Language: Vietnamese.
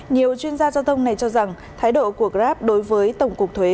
nhiều chuyên gia giao thông này cho rằng thái độ của grab đối với tổng cục thuế